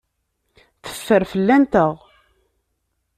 Teffer fell-anteɣ.